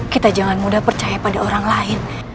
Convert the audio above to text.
kita jangan mudah percaya pada orang lain